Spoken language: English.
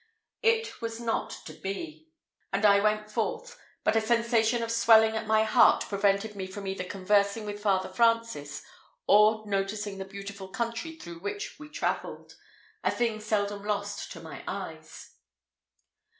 It was not to be, and I went forth; but a sensation of swelling at my heart prevented me from either conversing with Father Francis, or noticing the beautiful country through which we travelled a thing seldom lost to my eyes.